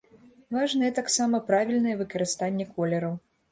Важнае таксама правільнае выкарыстанне колераў.